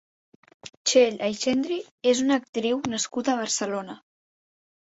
Txell Aixendri és una actriu nascuda a Barcelona.